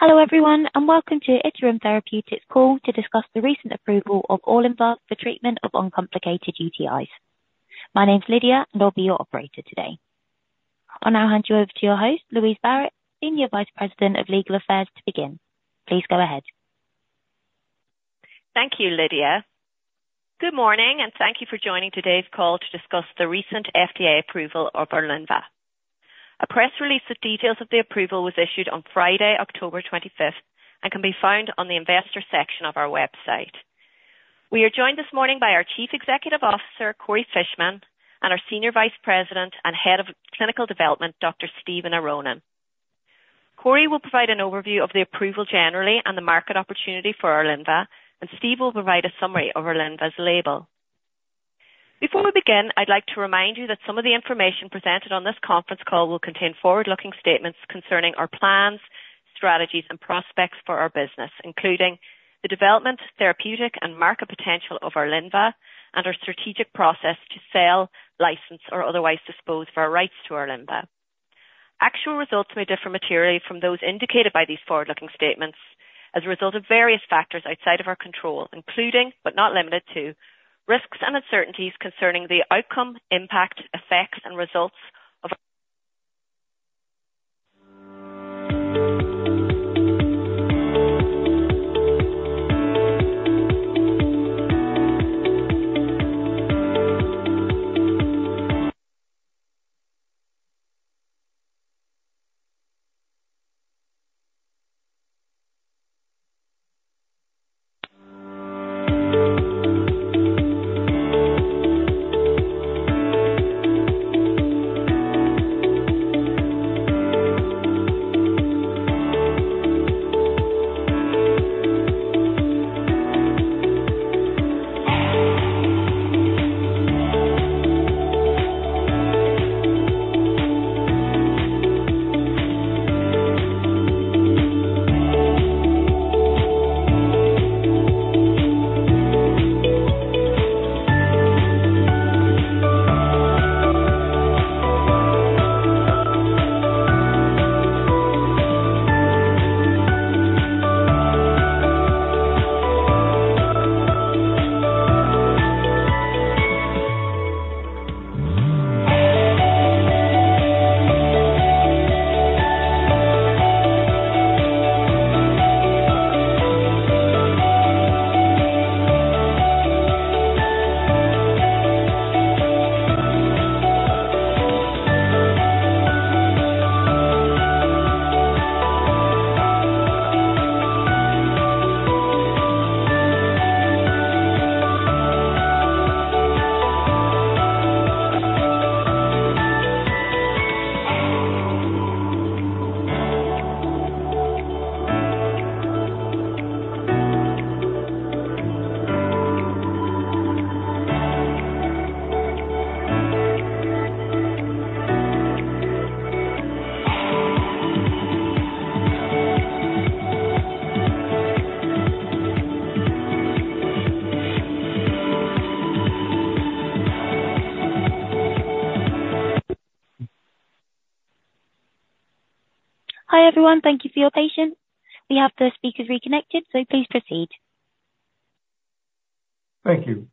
Hello, everyone, and welcome to Iterum Therapeutics call to discuss the recent approval of Orlynvah for treatment of uncomplicated UTIs. My name is Lydia, and I'll be your Operator today. I'll now hand you over to your host, Louise Barrett, Senior Vice President of Legal Affairs, to begin. Please go ahead. Thank you, Lydia. Good morning, and thank you for joining today's call to discuss the recent FDA approval of Orlynvah. A press release with details of the approval was issued on Friday, October 25th, and can be found on the investor section of our website. We are joined this morning by our Chief Executive Officer, Corey Fishman, and our Senior Vice President and Head of Clinical Development, Dr. Steven Aronen. Corey will provide an overview of the approval generally and the market opportunity for Orlynvah, and Steve will provide a summary of Orlynvah's label. Before we begin, I'd like to remind you that some of the information presented on this conference call will contain forward-looking statements concerning our plans, strategies, and prospects for our business, including the development, therapeutic and market potential of Orlynvah and our strategic process to sell, license or otherwise dispose of our rights to Orlynvah. Actual results may differ materially from those indicated by these forward-looking statements as a result of various factors outside of our control, including, but not limited to, risks and uncertainties concerning the outcome, impact, effects and results of... Hi, everyone. Thank you for your patience. We have the speakers reconnected, so please proceed. Thank you.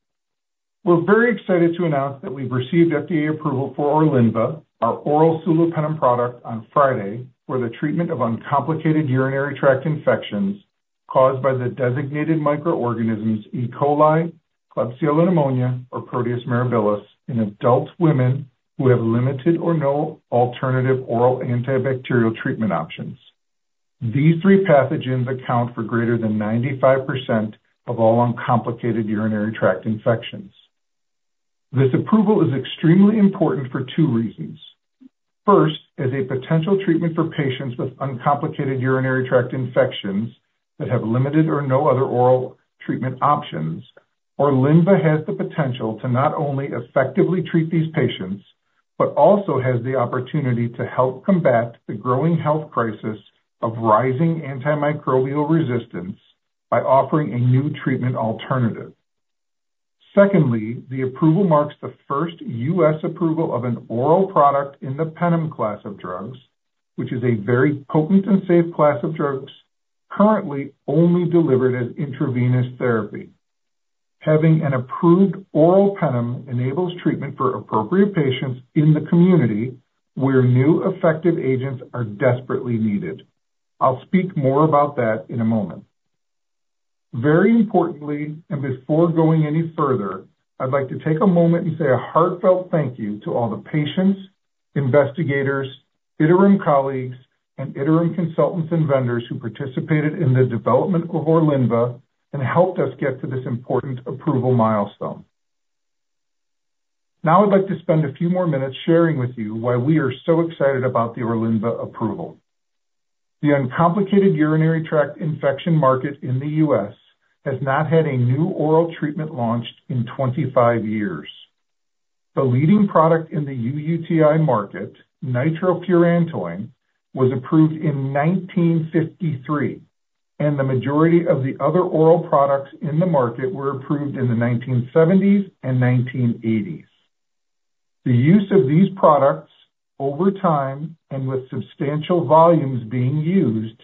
We're very excited to announce that we've received FDA approval for Orlynvah, our oral sulopenem product, on Friday for the treatment of uncomplicated urinary tract infections caused by the designated microorganisms E. coli, Klebsiella pneumoniae, or Proteus mirabilis in adult women who have limited or no alternative oral antibacterial treatment options. These three pathogens account for greater than 95% of all uncomplicated urinary tract infections. This approval is extremely important for two reasons. First, as a potential treatment for patients with uncomplicated urinary tract infections that have limited or no other oral treatment options, Orlynvah has the potential to not only effectively treat these patients, but also has the opportunity to help combat the growing health crisis of rising antimicrobial resistance by offering a new treatment alternative. Secondly, the approval marks the first U.S. approval of an oral product in the penem class of drugs, which is a very potent and safe class of drugs currently only delivered as intravenous therapy. Having an approved oral penem enables treatment for appropriate patients in the community where new effective agents are desperately needed. I'll speak more about that in a moment. Very importantly, and before going any further, I'd like to take a moment and say a heartfelt thank you to all the patients, investigators, Iterum colleagues, and Iterum consultants and vendors who participated in the development of Orlynvah and helped us get to this important approval milestone. Now, I'd like to spend a few more minutes sharing with you why we are so excited about the Orlynvah approval. The uncomplicated urinary tract infection market in the U.S. has not had a new oral treatment launched in twenty-five years. The leading product in the UTI market, nitrofurantoin, was approved in 1953, and the majority of the other oral products in the market were approved in the 1970s and 1980s. The use of these products over time and with substantial volumes being used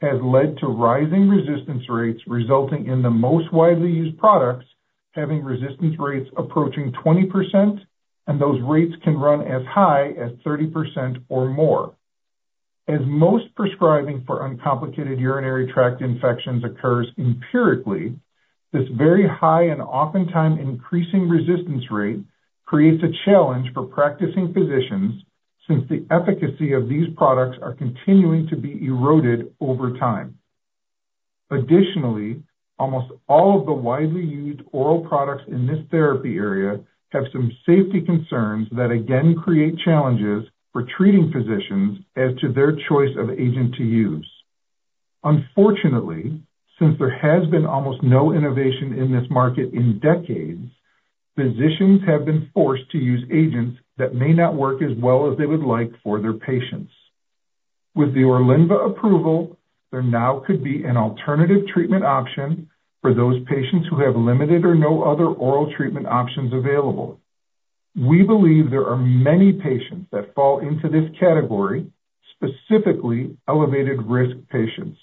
has led to rising resistance rates, resulting in the most widely used products having resistance rates approaching 20%, and those rates can run as high as 30% or more. As most prescribing for uncomplicated urinary tract infections occurs empirically, this very high and oftentimes increasing resistance rate creates a challenge for practicing physicians, since the efficacy of these products are continuing to be eroded over time. Additionally, almost all of the widely used oral products in this therapy area have some safety concerns that again create challenges for treating physicians as to their choice of agent to use. Unfortunately, since there has been almost no innovation in this market in decades, physicians have been forced to use agents that may not work as well as they would like for their patients. With the Orlynvah approval, there now could be an alternative treatment option for those patients who have limited or no other oral treatment options available. We believe there are many patients that fall into this category, specifically elevated risk patients.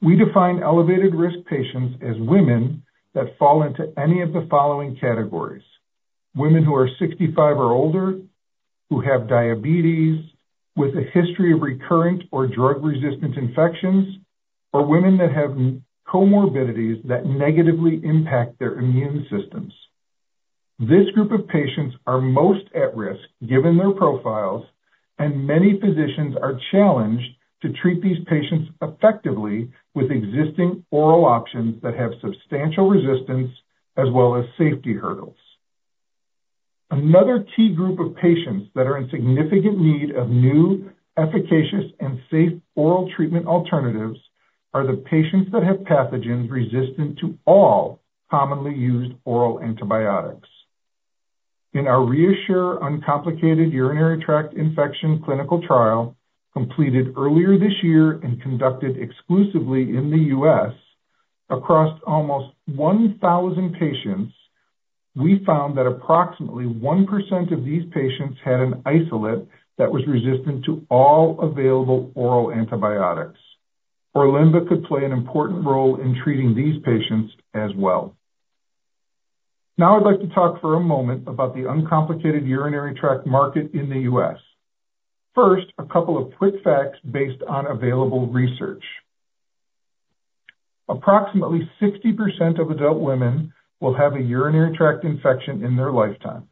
We define elevated risk patients as women that fall into any of the following categories: women who are sixty-five or older, who have diabetes, with a history of recurrent or drug-resistant infections, or women that have comorbidities that negatively impact their immune systems. This group of patients are most at risk, given their profiles, and many physicians are challenged to treat these patients effectively with existing oral options that have substantial resistance as well as safety hurdles. Another key group of patients that are in significant need of new, efficacious, and safe oral treatment alternatives are the patients that have pathogens resistant to all commonly used oral antibiotics. In our REASSURE uncomplicated urinary tract infection clinical trial, completed earlier this year and conducted exclusively in the U.S., across almost 1,000 patients, we found that approximately 1% of these patients had an isolate that was resistant to all available oral antibiotics. Orlynvah could play an important role in treating these patients as well. Now I'd like to talk for a moment about the uncomplicated urinary tract market in the U.S. First, a couple of quick facts based on available research. Approximately 60% of adult women will have a urinary tract infection in their lifetime.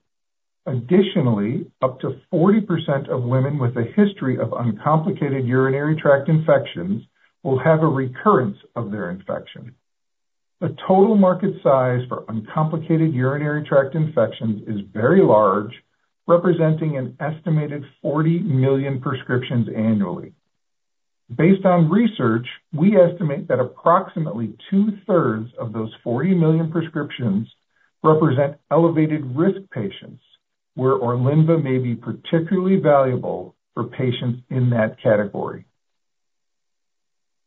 Additionally, up to 40% of women with a history of uncomplicated urinary tract infections will have a recurrence of their infection. The total market size for uncomplicated urinary tract infections is very large, representing an estimated 40 million prescriptions annually. Based on research, we estimate that approximately two-thirds of those 40 million prescriptions represent elevated risk patients, where Orlynvah may be particularly valuable for patients in that category.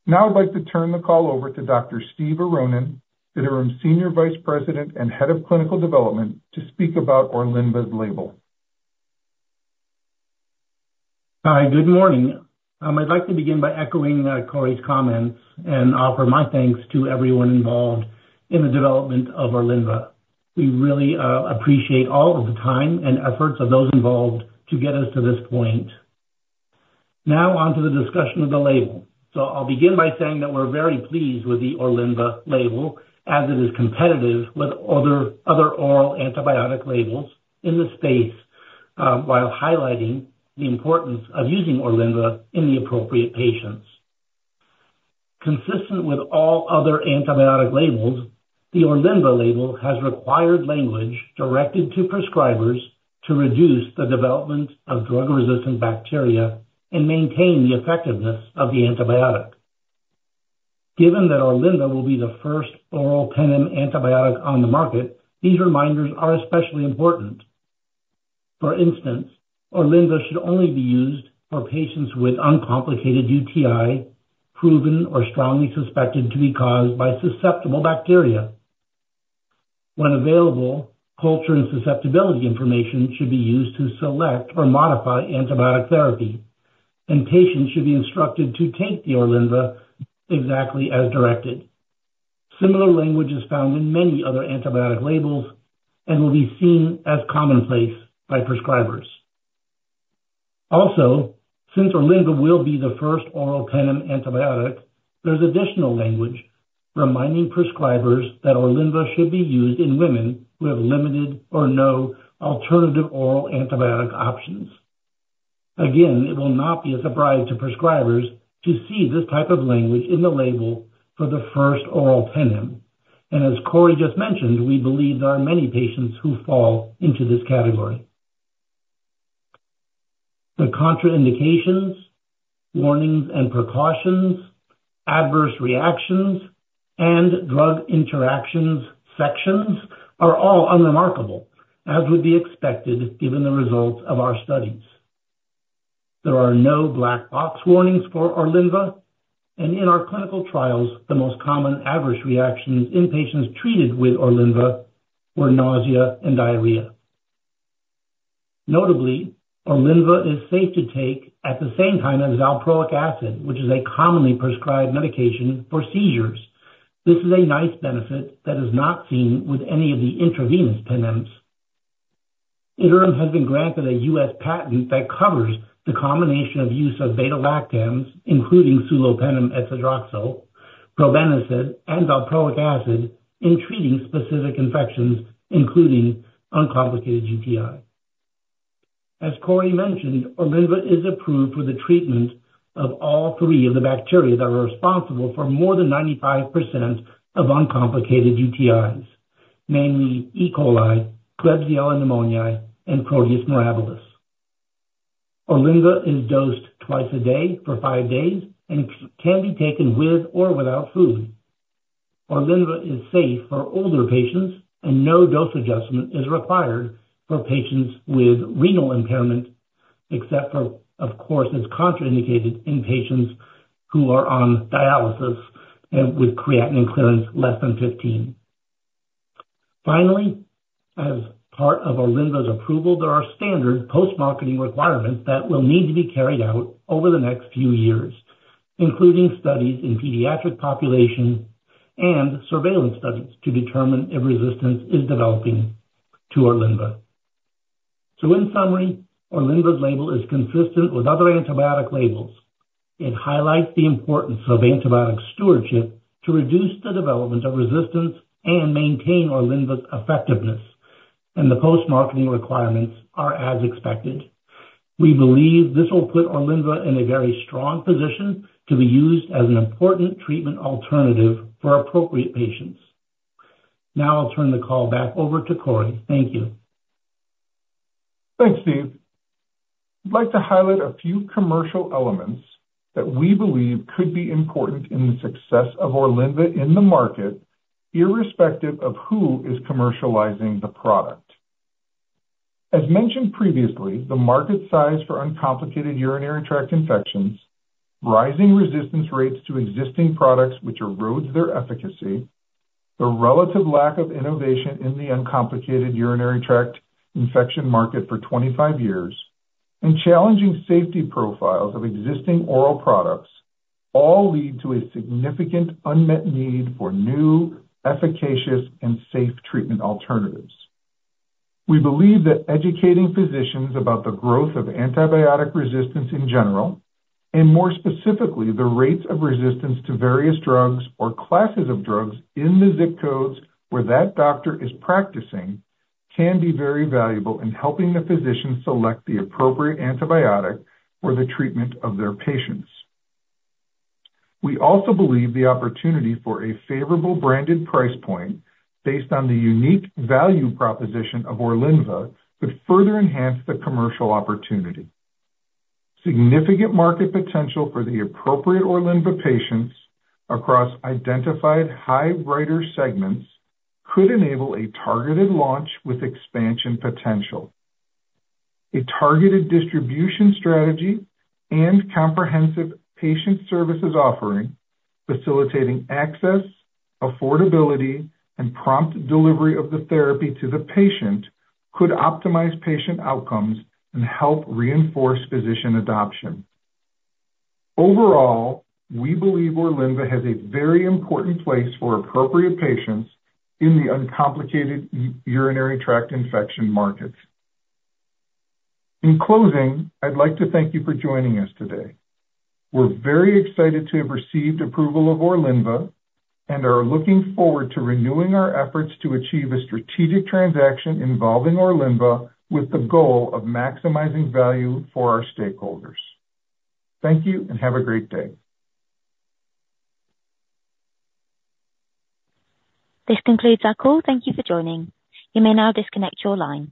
Now I'd like to turn the call over to Dr. Steven Aronen, Iterum's Senior Vice President and Head of Clinical Development, to speak about Orlynvah's label. Hi, good morning. I'd like to begin by echoing Corey's comments and offer my thanks to everyone involved in the development of Orlynvah. We really appreciate all of the time and efforts of those involved to get us to this point. Now on to the discussion of the label. So I'll begin by saying that we're very pleased with the Orlynvah label, as it is competitive with other oral antibiotic labels in the space, while highlighting the importance of using Orlynvah in the appropriate patients. Consistent with all other antibiotic labels, the Orlynvah label has required language directed to prescribers to reduce the development of drug-resistant bacteria and maintain the effectiveness of the antibiotic. Given that Orlynvah will be the first oral penem antibiotic on the market, these reminders are especially important. For instance, Orlynvah should only be used for patients with uncomplicated UTI, proven or strongly suspected to be caused by susceptible bacteria. When available, culture and susceptibility information should be used to select or modify antibiotic therapy, and patients should be instructed to take the Orlynvah exactly as directed. Similar language is found in many other antibiotic labels and will be seen as commonplace by prescribers. Also, since Orlynvah will be the first oral penem antibiotic, there's additional language reminding prescribers that Orlynvah should be used in women who have limited or no alternative oral antibiotic options. Again, it will not be a surprise to prescribers to see this type of language in the label for the first oral penem, and as Corey just mentioned, we believe there are many patients who fall into this category. The contraindications, warnings and precautions, adverse reactions, and drug interactions sections are all unremarkable, as would be expected, given the results of our studies. There are no black box warnings for Orlynvah, and in our clinical trials, the most common adverse reactions in patients treated with Orlynvah were nausea and diarrhea. Notably, Orlynvah is safe to take at the same time as valproic acid, which is a commonly prescribed medication for seizures. This is a nice benefit that is not seen with any of the intravenous penems. Iterum has been granted a U.S. patent that covers the combination of use of beta-lactams, including sulopenem, etzadroxil, probenecid, and valproic acid in treating specific infections, including uncomplicated UTI. As Corey mentioned, Orlynvah is approved for the treatment of all three of the bacteria that are responsible for more than 95% of uncomplicated UTIs, namely E. coli, Klebsiella pneumoniae, and Proteus mirabilis. Orlynvah is dosed twice a day for five days and can be taken with or without food. Orlynvah is safe for older patients, and no dose adjustment is required for patients with renal impairment, except for, of course, it's contraindicated in patients who are on dialysis and with creatinine clearance less than 15. Finally, as part of Orlynvah's approval, there are standard post-marketing requirements that will need to be carried out over the next few years, including studies in pediatric populations and surveillance studies to determine if resistance is developing to Orlynvah. So in summary, Orlynvah's label is consistent with other antibiotic labels. It highlights the importance of antibiotic stewardship to reduce the development of resistance and maintain Orlynvah's effectiveness, and the post-marketing requirements are as expected. We believe this will put Orlynvah in a very strong position to be used as an important treatment alternative for appropriate patients. Now I'll turn the call back over to Corey. Thank you. Thanks, Steve. I'd like to highlight a few commercial elements that we believe could be important in the success of Orlynvah in the market, irrespective of who is commercializing the product. As mentioned previously, the market size for uncomplicated urinary tract infections, rising resistance rates to existing products which erodes their efficacy, the relative lack of innovation in the uncomplicated urinary tract infection market for twenty-five years, and challenging safety profiles of existing oral products all lead to a significant unmet need for new, efficacious, and safe treatment alternatives. We believe that educating physicians about the growth of antibiotic resistance in general, and more specifically, the rates of resistance to various drugs or classes of drugs in the zip codes where that doctor is practicing, can be very valuable in helping the physician select the appropriate antibiotic for the treatment of their patients. We also believe the opportunity for a favorable branded price point based on the unique value proposition of Orlynvah could further enhance the commercial opportunity. Significant market potential for the appropriate Orlynvah patients across identified high writer segments could enable a targeted launch with expansion potential. A targeted distribution strategy and comprehensive patient services offering, facilitating access, affordability, and prompt delivery of the therapy to the patient, could optimize patient outcomes and help reinforce physician adoption. Overall, we believe Orlynvah has a very important place for appropriate patients in the uncomplicated urinary tract infection markets. In closing, I'd like to thank you for joining us today. We're very excited to have received approval of Orlynvah and are looking forward to renewing our efforts to achieve a strategic transaction involving Orlynvah with the goal of maximizing value for our stakeholders. Thank you, and have a great day. This concludes our call. Thank you for joining. You may now disconnect your line.